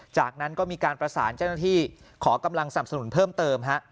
จากนั้นก็มีการประสานเจ้าหน้าที่ขอกำลังสนับสนุนเพิ่มเติม